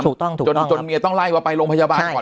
ถูกต้องถูกจนจนเมียต้องไล่ว่าไปโรงพยาบาลก่อน